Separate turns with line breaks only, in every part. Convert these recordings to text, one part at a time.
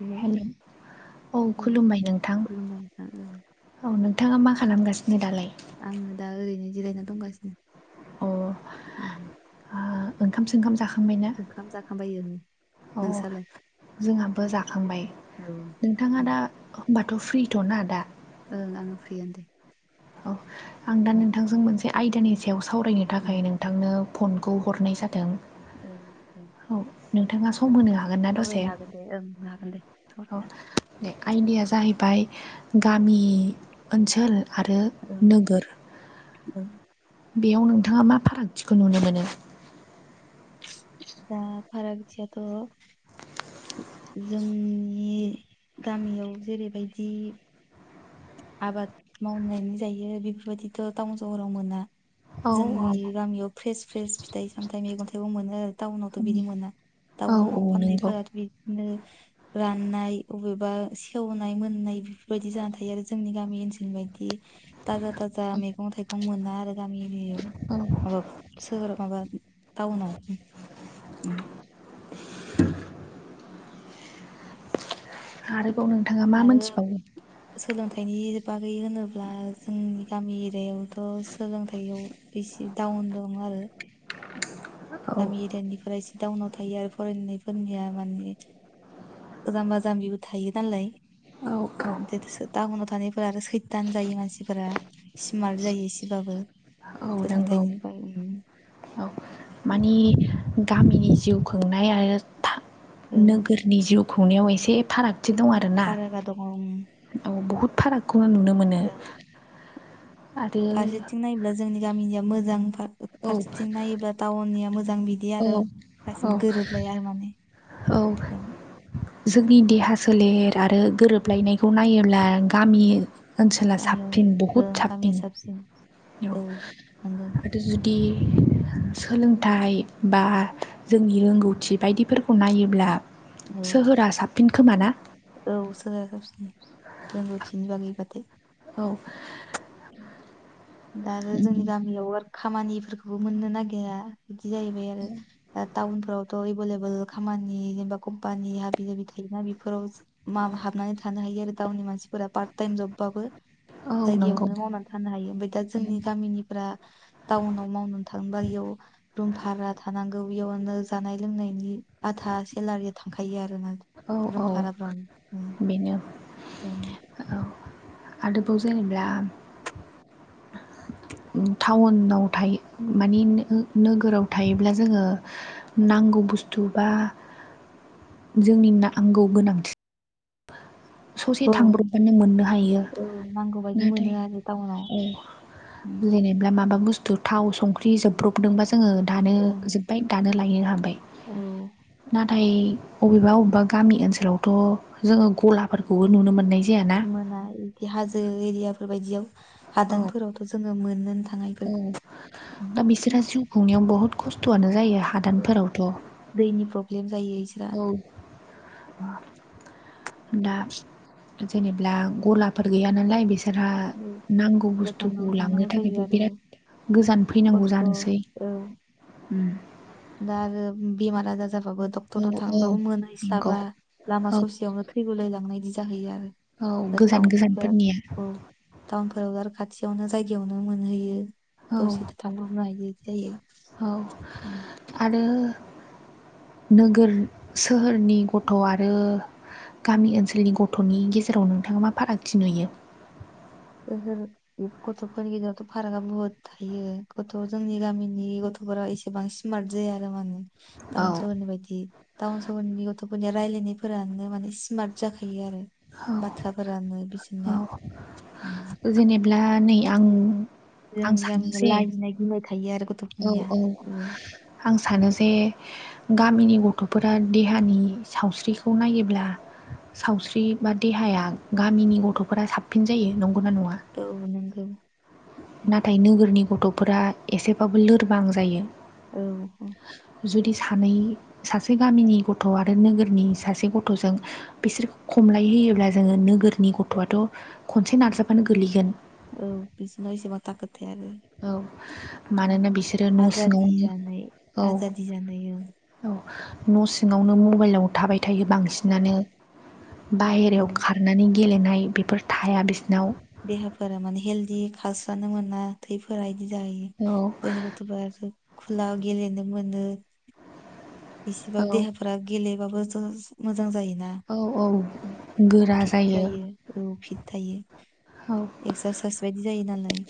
Hello
hello औ खुलुमबाय नोंथां
खुलुमबाय नोंथां ओं
औ नों नोंथाङा मा खालामगासिनो दालाय
आङो दा ओरैनो जिरायनानै दंगासिनो
अ
मोन
आ ओंखाम सोंखाम जाख
ओंखाम जाखांबा [unintelligible] यो
औ जोंहाबो जाखांबाय
औ
नोंथाङा दा [unintelligible] हबा थ' फ्रिथ'ना दा
ओं आङो फ्रिी [unintelligible] य दे
औ आं दा
ओं
नोंथांजों मोनसे आयदानि सायाव सावरायनो थाखाय
उम।
नोंथांनो फनखौ हरनाय जादों
ओं
औ नोंथाङा सम होनो हागोन ना दसे
सावरायनो हागोन दे ओं हागोन दे साव
औ दे आयदाया जाहैबाय गामि ओनसोल आरो
ओं
नोगोर
ओं
बेयाव नोंथाङा मा फारागथिखौ नुनो मोनो
दा फाराग थियाथ' जोंनि गामियाव जेरैबायदि आबाद मावनानै जायो बेफोरबायदिथ' टाउन सहराव मोना
औ औ
जोंनि गामियाव फ्रेस फ्रेस फिथाइ सामथाइ मैगं थाइगं मोनो आरो टाउनावथ' बिदि मोना
औ औ
टाउनाव
नंगौ
फाननायफो रा बिदिनो राननाय अबेबा सेवनाय मोननाय बेफोरबायदि जा थायो आरो जोंनि गामि ओनसोलाव बेयादि टाजा टाजा मेगं थाइगं मोना आरो गामि एरियायाव
औ
माबा सोहोराव माबा टाउनाव
आरोबाव नोंथाङा मा मोनथिबावो
नायनि बागै होनोब्ला जोंनि गामि एरियायावथ' सोलोंथाइयाव एसे दाउन मोनदङो आरो
औ
गामि एरियानिफ्राय एसे डाउनाव थायो आरो फरायनायफोरनिया माने जाम्बा जाम्बिबो थायो नालाय
औ औ
दोदोसो टाउनाव थानायफोरा आरो सैथान जायो मानसिफोरा स्मार्ट जायो एसेबाबो
औ नंगौ
सोलोंथाइनि ब
औ
उम
मानि गामिनि जिउ खुंनाय आरो था
औ
नोगोरनि जिउ खुंनायाव एसे फाराग थि दं आरोना
फारागा दङ उम,
औ बुहुद फारागखौनो नुनो मोनो
औ
आरो
फारसेथिं नायोब्ला जोंनि गामिनिया मोजां पार्क
औ
फारसेथिं नायोबा टाउननिया मोजां बिदि आरो
औ औ
गासिबो गोरोबलाया आरो माने
औ जोंनि देहा सोलेर आरो गोरोबलायनायखौ नायोब अब्ला गामि
उम,
ओनसोला
गामियाव
साबसिन बहुद
ओं गामिया
साबसिन औ
नंगौ
[unintelligible] आरो जुदि सोलोंथाइ बा जोंनि रोंगौथि बायदिफोरखौ नायोब्ला
औ
सोहोरा साबसिन खोमा ना
औ साया ससि [inaudible] रोंगौथिनि बागै बाथाय
औ
दा आरो जोंनि गामियाव आरो खामानिफोरखौबो मोननो नागिरा बिदि जाहैबाय आरो दा टाउनफ्रावथ' एभेलेबोल खामानि जेनबा कम्पानि हाबि जाबि थायोना बेफोराव माम हाबनानै थानो हायो आरो टाउननि मानसिफोरा पार्ट टाइम जब बाबो
औ
जाय
नंगौ
यावनो मावनानै थानो हायो ओमफाय दा जोंनि गामिनिफोरा टाउनाव मावनानै थाङोबा याव भारा थानांगौ बेयावनो जानाय लोंनायनि आथा सेलारि थांखायो आरो।
औ
[unintelligible] रुम
औ
भाराफ्राव उम
बेनो
ओं
औ आरोबाव जेनेब्ला थाउन थायो माने नोगोराव थायोब्ला जोङो नांगौ बुस्थु बा जोंनि नांगौ गोनांथि ससे
ओं
थांब्र'बबानो मोननो हायो
औ नांगौ बायदि मोनो
नाथाय
आरो टाउनाव
औ
ओं
बुजिलायनायब्ला माबा बुस्थु थाव संख्रि जोबब्रबदोंबा जोङो दानो जोबबाय दानो लायनो हाबाय।
ओं औ
नाथाय अबेबा अबेबा गामि ओनसोलावथ' जोङो गलाब। फोरखौबो नुनो मोननाय।
मोना बिदि हाजो एरियाफोर बायदियाव
औ
हादानफोरावथ' जोङो मोननो थांङा
औ दा बिसोरहा
इफोर
जिउ खुंनायाव बहुद खस्थ'आनो जायो हादानफोरावथ'
दैनि प्रब्लेम जायो इसोरा।
दा जेनेबा गलाफोर गैया नालाय बिसोर नांगौ
गोजानाव
बुस्थुखौ लांनो
थांनांगौ जायो
थाखायबो
आरो
बिराद गोजान फैनांगौ
खस्थ'
जानोसै।
औ दा आरो बेमार आजार जाबाबो
औ
डक्टराव
औ
थांबाबो
नंगौ
मोनहैस्लाबा लामा
औ
ससेयावनो थैगुंलाय लांनाय बिदि जाहैयो आरो
औ
दा
गोजान
टाउननिफोरा
गोजानफोरनिया
औ टाउनफोराव आरो खाथियावनो जायगायावनो मोनहैयो।
औ औ
[inaudible]
आरो नोगोर सोहोरनि गथ' आरो गामि ओनसोलनि गथ'नि गेजेराव नोंथाङा मा फारागथि नुयो।
ओहो गथ'फोरनि गेजेरावथ' फारागआ बुहुद थायो गथ' जोंनि गामिनि गथ' एसेबां माने सिमार्ट जायो आरो माने
औ
टाउन सहरनि बायदि टाउन सहरनि गथ'फोरनिया रायलायनायफोरानो माने स्मार्ट जाखायो आरो।
औ
बाथ्राफोरानो
औ
बिसिनिया
जेनेब्ला नै आं आं
जोंनि
सानो
गामिनिया
जे
लाजिनाय गिनाय थायो आरो
औ
गथ'फोरनिया
औ आं सानो जे गामिनि गथ'फोरा देहानि सावस्रिखौ नायोब्ला सावस्रि बा देहाया गामिनि गथ'फोरा साबसिन जायो न
औ नोंगौ।
नाथाय नोगोरनि गथ'फोरा एसेबाबो लोरबां जायो।
औ।
जुदि सानै सासे गामिनि गथ' आरो नोगोरनि सासे गथ'जों बिसोरखो खमलाय है फैयोब्ला जोङो नोगोरनि गथ'आथ' खनसे नारजाबानो गोलैगोन।
औ बिदिनो एसेबां दारखो थाया आरो।
औ मानोना बिसोरो न'
आजादि
सिङावनो
जानाय
औ
आजादि जानाय
औ न' सिङावनो मबाइलाव थाबाय थायो
औ
बांसिनानो बाहेरायाव
औ
खारनानै गेलेनाय बेफोर थाया बिसिनाव
देहाफोरा माने हेलदि खारस्रानो मोना थै फोरा। बिदि जायो
औ
जोंनि गथ'फोर खुला गेलेनो मोनो। एसेबाबो
औ
देहाफोरा गेलेबाबो मोजां मोजां जायोना
औ औ
फिट जायो औ फिट थायो।
औ
एकसारसाइस बायदि जायो नालाय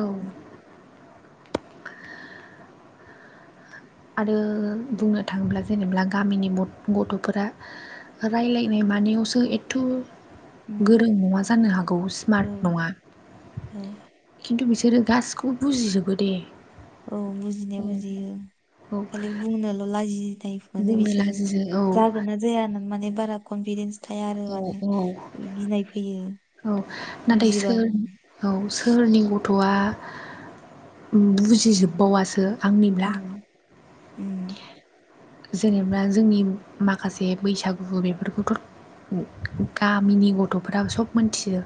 औ आरो बुंनो थाङोब्ला जेनेब्ला गामिनि गथ'फोरा रायलायनाय मानायावसो एथ'।
उम
गोरों नङा जानो हागौ
औ
स्मार्ट नङा
औ
खिन्थु बिसोर जो गासिखौबो बुजिजोबो दे।
औ बुजिनाया
औ
बुजियो
औ
खालि बुंनोल' लाजियो। माने
बुंनो
बिसोरो
लाजियो औ
जागोन ना जाया होननानै माने बारा कनफिदेन्स थाया आरो
औ
माने
औ
गिनाय फैयो।
औ नाथाय सोर
बुजिबाबो
औ सोरनि गथ'आ बुजिजोबबावासो आंनिब्ला
उम उम
जेनेबा जोंनि माखासे बैसागु बेफोरखौथ'। गामिनि गथ'फोराबो सब मिथियो।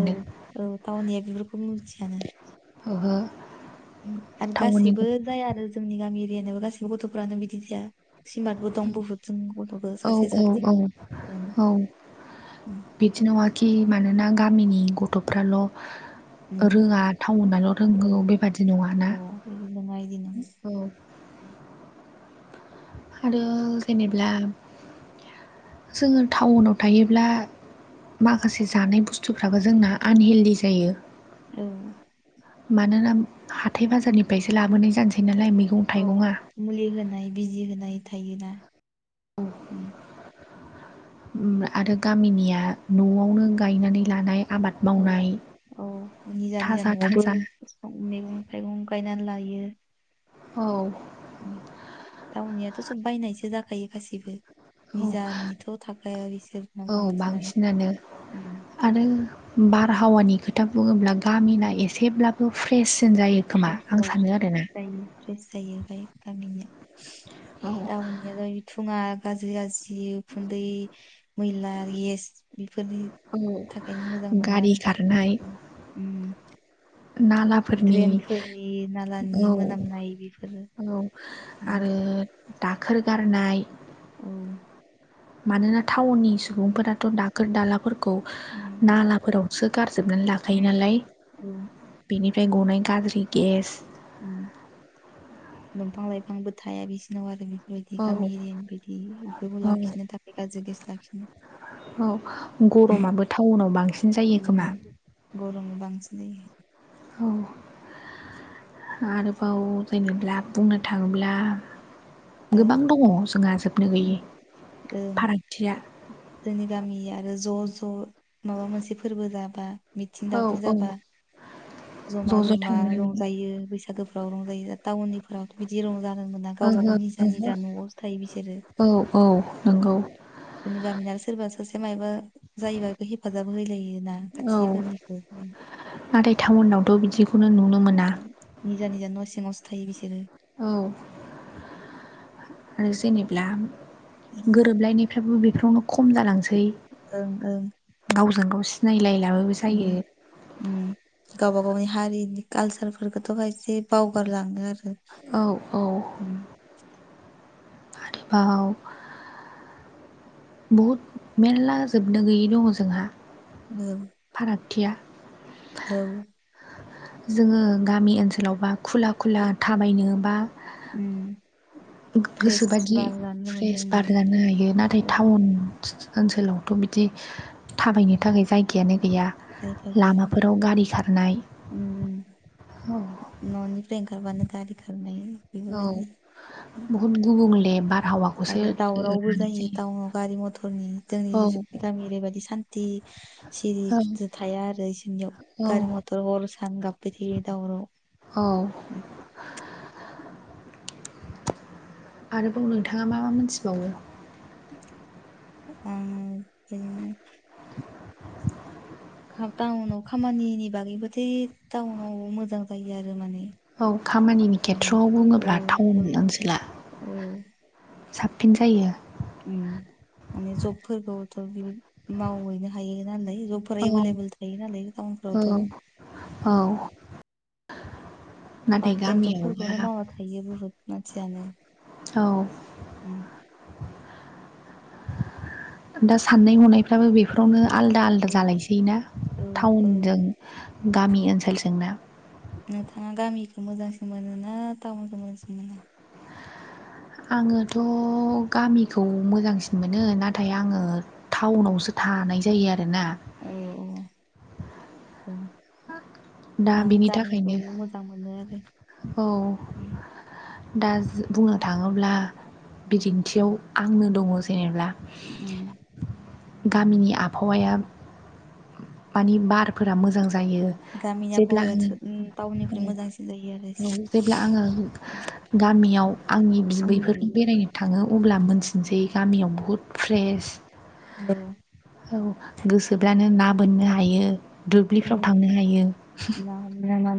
औ औ टाउनया बेफोरखौ मिथियानो।
ओहो।
आरो
टाउननि
गासैबो जाया आरो जोंनि गामि एरियानि गासैबो गथ'फ्रानो बिदि जाया। सिमार्टबो दं बहुद जों गथ'बो
औ
सासे
औ
सासे
औ औ बिदि नंआखि मानोना गामिनि गथ'फ्राल'
उम
रोङा टाउनाल'
औ
रोगौ बेबादि नङाना
अ बिदि नङा इदि नङा
औ। [inaudible] आरो जेनेब्ला जोङो टाउनाव थायोब्ला माखासे जानाय बुस्थुफ्राबो जोंना आनहेल्दि जायो।
औ
मानोना हाथाय बाजारनिफ्रायसो लाबोनाय जानोसै नालाय मैगं
औ
थाइगं।
मुलि होनाय बिजि होनाय थायोना।
आरो गामिनिया न'आवनो गायनानै लानाय आबाद
औ
मावनाय
औ निजा निजा
थाजा
न'आवबो
थाजा
मैगं थाइगं गायनानै लायो। बिायो।
औ।
टाउनियाथ' सब बायनायसो जाखायो गासिबो।
औ
निजानिथ' थाखाय इसोरनाव बांसिनानो
आरो बारहावानि खोथा बुङोब्ला
उम
गामिना एसेब्लाबो फ्रेससिन जायो। खोमा आं सानो आरो ना।
फ्रेस फ्रेस जायो गामिनिया
औ
टाउननिया बि थुङा गाज्रि गाज्रि उखुन्दै मैला गेस बेफोरनि
औ
थाखायनो मोजां नङा
गारि
आरो
खारनाय
उम
नालाफोरनि
ड्रेनफोरनि नालानि
औ
मोनामनाय बेफोरो
औ
उम,
आरो। दाखोर गारनाय।
औ
मानोना टाउननि
उम,
सुबुंफोराथ' दाखोर दाला फोरखौ
उम,
नालाफोरावसो गारजोबनानै लाखायो
उम,
नालाय
औ
बेनि ओमफ्राय गनाय गाज्रि गेस
दंफां लाइफांबो थाया बिसिनाव आरो बेबायदि
औ
गामि एरियानि बायदि बेफोरखौ
औ
लाखिनो थाखाय गाज्रि लाखिनो
औ गरमाबो टाउनाव बांसिन जायो खोमा।
गरमआ बांसिन जायो।
औ। आरोबाव जेनेब्ला बुंनो थाङोब्ला
जायो
गोबां दङ जोंहा हाबनो
हो?
गैयि
ओं
फारागथिया।
जोंनि गामि आरो ज' ज' माबा मोनसे फोरबो जाबा मिथिं
औ
दावथिं
औ
जाबा।
ज'
जमा
ज'
जमा
थांनानै
रंजायो बैसागोफ्राव रंजायो टाउननिफोरावथ' बिदि रंजानो मोना गाव गाव
ओहो
निजा
ओहो
निजा न'आवस थायो बिसोरो
औ नंगौ
जोंनि गामिनाबो सोरबा सासे। मायबा जायोब बेखौ हेफाजाब होलायोना
औ
खाथिफोरनिखौ
नाथाय टाउनावथ' बिदि।
निजा निजा न' सिंङावसो थायो बिसोरो।
औ आरो जेनेब्ला गोरोबलायनायफ्राबो बेफोरावनो खम जालांसै
ओं
गाव। गाव सिनायलाय।
ओम ओम गावबा गावनि हारिनि कालसारफोरखौथ'हाय इसे बावगारलाङो आरो।
औ औ।
उम
आरोबाव। बहुद मेरला जोबनो गैयै दङ जोंहा।
औ
थिया।
औ
जोङो गामि ओनसोलाव बा खुला खुला थाबायनोबा।
[inaudible]
गो
फ्रेस
गोसोबायदि
बार जानो मोनो
फ्रेस बार
उम
जानो हायो नाथाय
ओ
टाउन ओनसोलावथ' बिदि थाबायनो थाखाय जायगायानो गैया
जायगा गैया
लामाफोराव गारि खारनाय
उम
औ
ननिफ्राय ओंखारबानो गारि खारनाय
औ
बेफोरबायदि
बहुद गुबुंले बा
आरो दावरावबो जायो टाउनाव गारि मथरनि। जोंनि
औ
गामि ओरैबायदि सान्थि
औ
सिरि थाया आरो इसोरनियाव
औ
गारि मथर हर। सान गाबबाय थायो दावराव'
औ आरोबाव नोंथाङा मा मा मोनथिबावो
आरो बिदिनो। खा टाउनाव खामानिनि बागैबोथे टाउनाव मोजां जायो आरो माने
औ खामानिनि
उम
खेथ्रआव
औ
बुङोब्ला टाउन
औ
ओनसोला साबफिन जायो
ओम माने जबफोरखौथ' बि मावहैनो हायो नालाय जबफोर
औ
एभेलेबल थायो नालाय
औ
टाउनफोरावथ'
औ। नाथाय
पार्ट टाइम जब फोरखौनो
गामियावबा
मावा थायो बुहुत मानसियानो
औ दा साननाय हनायफ्राबो बेफोरावनो। आलदा आलदा
औ
जालायसै ना
औ औ
टाउनजों गामि ओनसोलजोंना?
नोंथाङा गामिखौ मोजांसिन मोनो ना टाउनखौ मोजांसिन मोनो?
आङोथ' गामिखौ मोजांसिन मोनो नाथाय आङो टाउनावसो। थानाय जायो आरोना।
औ
दा
आं
बेनि
गामिखौ
थाखायनो
मोजां मोनो आरो।
औ दा बुंनो थाङोब्ला बिदिन्थियाव आंनो दङ जेनेब्ला।
[inaudible]
गामिनि आबहावाया मानि बारफोरा मोजां। जायो
गामिनि
जेब्ला
आबहावाया
आङो ओ
टाउननिफ्राय मोजांसिन जायो आरो
ओ जेब्ला आङो गामियाव आंनि बिबैफोरनि बेरायनो थाङो अब्ला मोनथिनसै गामियाव बुहुद फ्रेस।
[inaudible]
औ गोसोब्लानो ना बोननो हायो
औ
दुब्लिफ्राव थांनो हायो।
ना हमना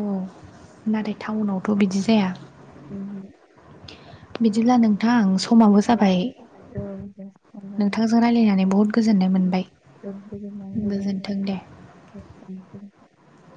औ नाथाय टाउनावथ' बिदि जाया
मा
बिदिब्ला नोंथांं। समाबो
औ
जाबाय नोंथांजों रायज्लायनानै बहुद गोजोननाय मोनबाय। गोजोन्थों दे
ज [unintelligible]